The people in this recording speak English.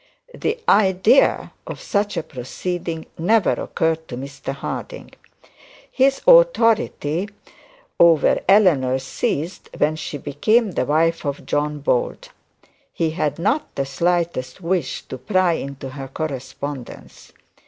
The idea of such a proceeding never occurred to Mr Harding. His authority over Eleanor ceased when she became the wife of John Bold. He had not the slightest wish to pry into her correspondence.